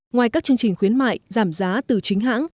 ngoài các chương trình khuyến mại giảm giá từ chính hãng